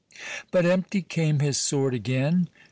But empty came his sword again.